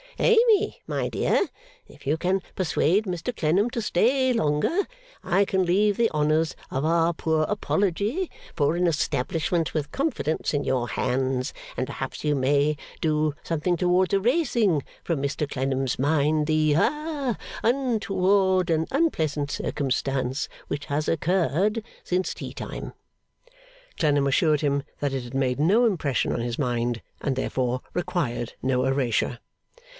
'Amy, my dear, if you can persuade Mr Clennam to stay longer, I can leave the honours of our poor apology for an establishment with confidence in your hands, and perhaps you may do something towards erasing from Mr Clennam's mind the ha untoward and unpleasant circumstance which has occurred since tea time.' Clennam assured him that it had made no impression on his mind, and therefore required no erasure.